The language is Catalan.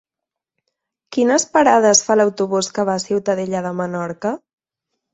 Quines parades fa l'autobús que va a Ciutadella de Menorca?